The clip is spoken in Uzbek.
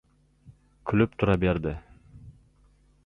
Kulib tura berdi.